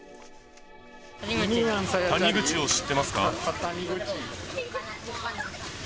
谷口を知ってますか？